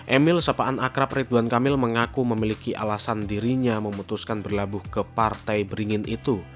emil sapaan akrab ridwan kamil mengaku memiliki alasan dirinya memutuskan berlabuh ke partai beringin itu